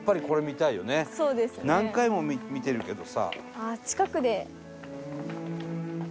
何回も見てるけどさ。